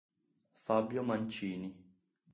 Fabio Mancini